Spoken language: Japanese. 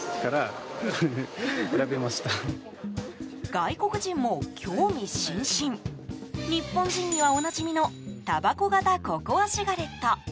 外国人も興味津々日本人にはおなじみのたばこ型ココアシガレット。